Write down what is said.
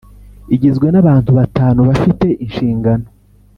igizwe n’abantu batanu bafite inshingano